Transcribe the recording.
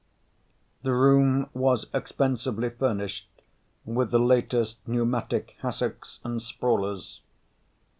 The room was expensively furnished with the latest pneumatic hassocks and sprawlers.